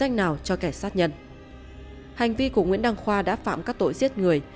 hành vi của nguyễn đăng khoa đã phạm các tội giết người